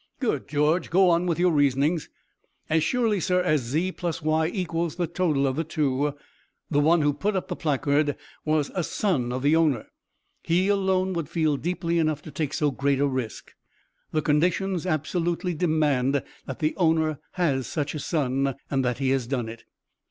"Good, George, go on with your reasonings." "As surely, sir, as z plus y equals the total of the two, the one who put up the placard was a son of the owner. He alone would feel deeply enough to take so great a risk. The conditions absolutely demand that the owner has such a son and that he has done it."